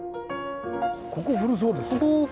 ここ古そうですね。